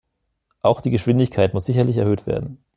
Auch die Geschwindigkeit muss sicherlich erhöht werden.